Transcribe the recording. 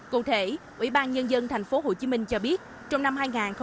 cụ thể ủy ban nhân dân tp hcm cho biết trong năm hai nghìn hai mươi